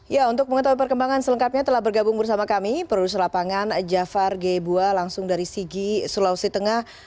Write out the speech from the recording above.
ya untuk mengetahui perkembangan selengkapnya telah bergabung bersama kami produser lapangan jafar gebua langsung dari sigi sulawesi tengah